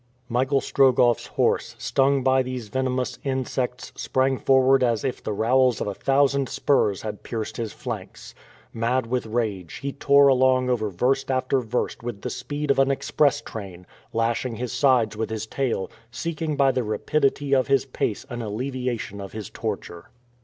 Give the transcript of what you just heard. Michael Strogoff's horse, stung by these venomous insects, sprang forward as if the rowels of a thousand spurs had pierced his flanks. Mad with rage, he tore along over verst after verst with the speed of an express train, lashing his sides with his tail, seeking by the rapidity of his pace an alleviation of his torture.